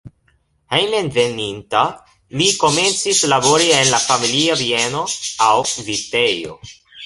Hejmenveninta li komencis labori en la familia bieno aŭ vitejo.